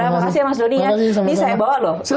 makasih baik makasih yang mas dunia yang bisa dibawa loh